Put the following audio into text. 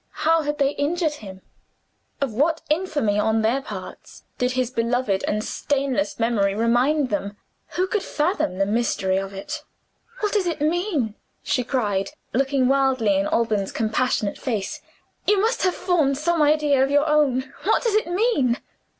How had they injured him? Of what infamy, on their parts, did his beloved and stainless memory remind them? Who could fathom the mystery of it? "What does it mean?" she cried, looking wildly in Alban's compassionate face. "You must have formed some idea of your own. What does it mean?"